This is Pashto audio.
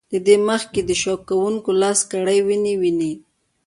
له دې مخکې د شکوونکي لاس کړي وينې وينې